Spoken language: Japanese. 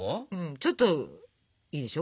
ちょっといいでしょ？